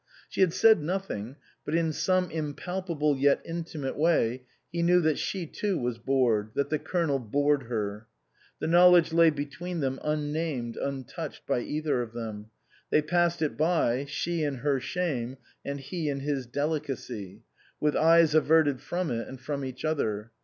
She had said nothing, but in some impalpable yet intimate way he knew that she too was bored, that the Colonel bored her. The knowledge lay between them unnamed, untouched by either of them ; they passed it by, she in her shame and he in his delicacy, with eyes averted from it and from each other.